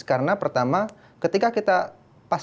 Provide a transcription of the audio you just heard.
karena pertama ketika kita pas pas